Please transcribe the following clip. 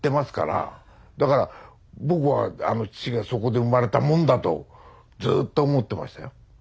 だから僕は父がそこで生まれたもんだとずっと思ってましたよ。